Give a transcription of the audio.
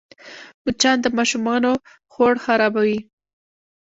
مچان د ماشومانو خوړ خرابوي